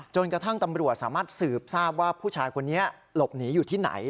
จนกระทั่งตำรวจสามารถสืบทราบว่าผู้ชายคนนี้หลบหนีอยู่ที่ไหน